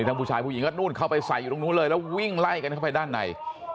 ผู้ชายผู้หญิงก็นู่นเข้าไปใส่อยู่ตรงนู้นเลยแล้ววิ่งไล่กันเข้าไปด้านใน